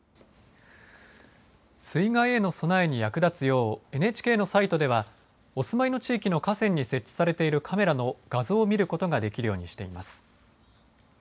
水害への備えに役立つようＮＨＫのサイトではお住まいの地域の河川に設置されているカメラの画像を見ることができるようにしています。